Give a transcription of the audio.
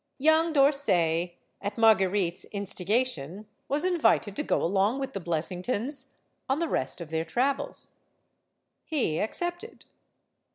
Young D'Orsay, at Marguerite's instigation, was in vited to go along with the Blessingtons on the rest of their travels. He accepted.